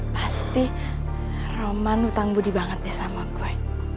pasti roman utang budi banget deh sama gue